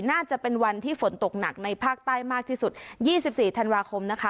น่าจะเป็นวันที่ฝนตกหนักในภาคใต้มากที่สุดยี่สิบสี่ธันวาคมนะคะ